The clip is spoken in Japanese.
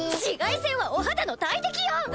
紫外線はお肌の大敵よ！